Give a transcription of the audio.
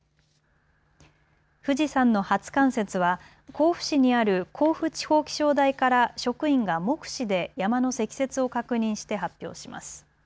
富士山の初冠雪は甲府市にある甲府地方気象台から職員が目視で山の積雪を確認して発表します。